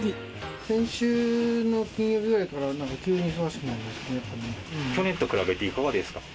先週の金曜日ぐらいから、急に忙しくなりましたね、去年と比べていかがですか。